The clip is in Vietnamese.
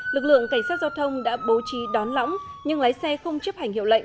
lực lượng cảnh sát giao thông đã bố trí đón lõng nhưng lái xe không chấp hành hiệu lệnh